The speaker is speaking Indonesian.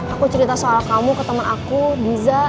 aku cerita soal kamu ke temen aku diza